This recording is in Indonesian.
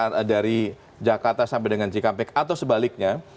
kendaraan dari jakarta sampai dengan cikampek atau sebaliknya